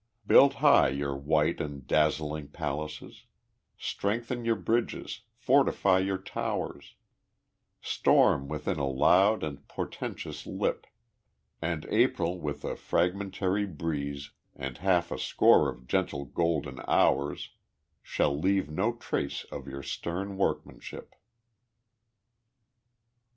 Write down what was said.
Build high your white and dazzling palaces, Strengthen your bridges, fortify your towers, Storm with a loud and a portentous lip; And April with a fragmentary breeze, And half a score of gentle, golden hours, Shall leave no trace of your stern workmanship.